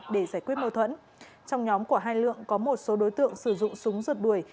để giải quyết mâu thuẫn trong nhóm của hai lượng có một số đối tượng sử dụng súng rượt đuổi